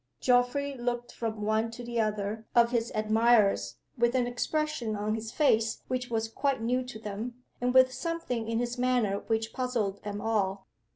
Geoffrey looked from one to the other of his admirers with an expression on his face which was quite new to them, and with something in his manner which puzzled them all.